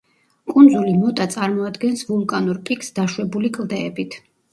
კუნძული მოტა წარმოადგენს ვულკანურ პიკს დაშვებული კლდეებით.